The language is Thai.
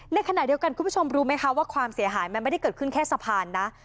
ในขณะเดียวกันคุณผู้ชมรู้ไหมคะว่าความเสียหายมันไม่ได้เกิดขึ้นแค่สะพานนะ